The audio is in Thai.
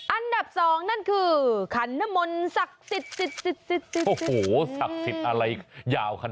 อันดับ๒นั่นคือคัณะมนษักศิษย์